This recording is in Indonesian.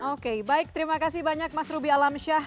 oke baik terima kasih banyak mas ruby alamsyah